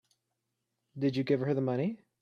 Did you give her the money?